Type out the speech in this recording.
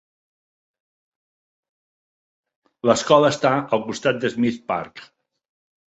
L'escola està al costat del Schmitz Park.